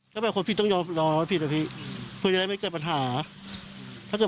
ไม่มีต้นตัวมันจบค่ะมันพูดบอกว่าจบมันคือจบไม่มีใครเคยไม่มีครับ